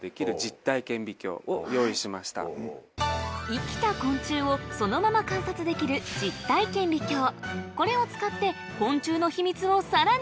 生きた昆虫をそのまま観察できる実体顕微鏡お。